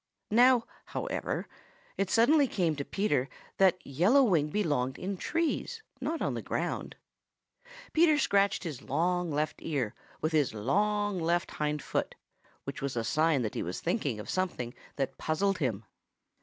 Now, however, it suddenly came to Peter that Yellow Wing belonged in trees, not on the ground. Peter scratched his long left ear with his long left hind foot, which was a sign that he was thinking of something that puzzled him.